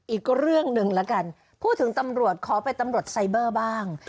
อีกเรื่องหนึ่งแล้วกันพูดถึงตำรวจขอเป็นตำรวจไซเบอร์บ้าง